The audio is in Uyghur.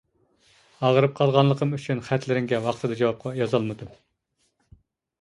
ئاغرىپ قالغانلىقىم ئۈچۈن خەتلىرىڭگە ۋاقتىدا جاۋاب يازالمىدىم.